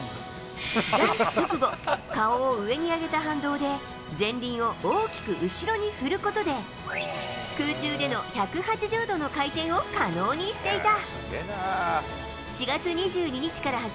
ジャンプ直後、顔を上に上げた反動で、前輪を大きく後ろに振ることで、空中での１８０度の回転を可能にしていた。